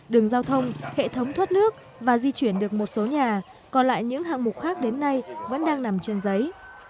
đường giao thông hệ thống thoát nước và di chuyển được một số nhà còn lại những hạng mục khác đến nay vẫn đang nằm trên giấy